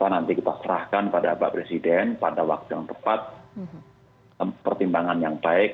nanti kita serahkan pada pak presiden pada waktu yang tepat pertimbangan yang baik